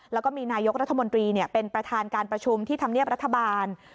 แล้วก็มีนายกรัฐมนตรีเป็นประธานการประชุมที่ธรรมเนียบรัฐบาล